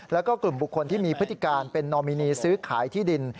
แล้วก็กลุ่มบุคคลที่มีพฤติการเป็นนอมินีซื้อขายที่ดิน